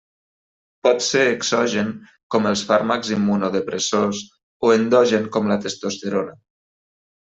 Pot ser exogen com els fàrmacs immunosupressors o endogen com la testosterona.